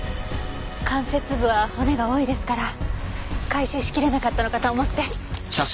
関節部は骨が多いですから回収しきれなかったのかと思って。